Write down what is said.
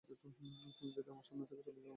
তুমি যদি আমার সামনে থেকে চলে যাও আমি খুশি হব।